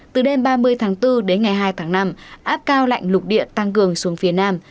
từ đêm ba mươi tháng bốn đến ngày hai tháng năm áp cao lạnh lục địa tăng cường xuống phía nam